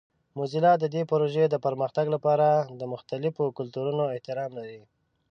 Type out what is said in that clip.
موزیلا د دې پروژې د پرمختګ لپاره د مختلفو کلتورونو احترام لري.